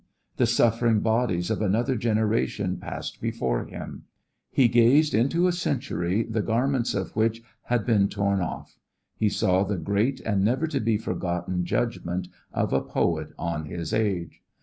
The suffering bodies of another generation passed before him. He gazed into a century the garments of which had been torn off; he saw the great and never to be forgotten judgment of a poet on his age.